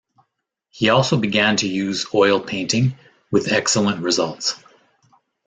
He also began to use oil painting, with excellent results.